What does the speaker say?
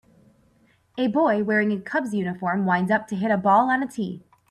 A boy wearing a cubs uniform winds up to hit a ball on a tee.